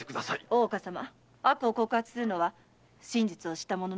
大岡様悪を告発するのは真実を知った者のつとめです。